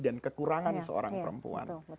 dan kekurangan seorang perempuan